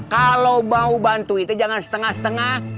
kalau mau bantu itu jangan setengah setengah